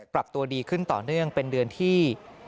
ปรับตัวดีขึ้นต่อเนื่องเป็นเดือนที่